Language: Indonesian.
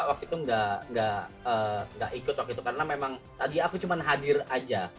waktu itu nggak ikut waktu itu karena memang tadi aku cuma hadir aja